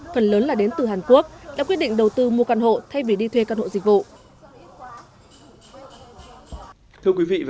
phần lớn là đến từ hàn quốc đã quyết định đầu tư mua căn hộ thay vì đi thuê căn hộ dịch vụ